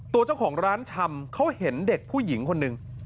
ตัวเจ้าของร้านชำเขาเห็นเด็กผู้หญิงคนหนึ่ง